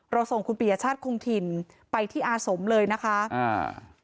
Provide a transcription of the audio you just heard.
ส่งคุณปียชาติคงถิ่นไปที่อาสมเลยนะคะอ่า